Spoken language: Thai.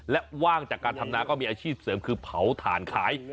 และว่างจากการทำนาก็มีอาชีพเสริมคือเผาถ่านขาย